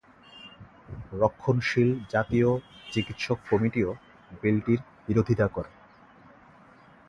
রক্ষণশীল জাতীয় চিকিৎসক কমিটিও বিলটির বিরোধিতা করে।